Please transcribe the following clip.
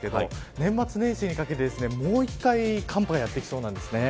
年末年始にかけて、もう１回寒波がやってきそうです。